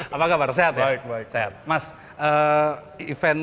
apa kabar sehat baik sehat mas event